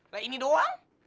lah ini doang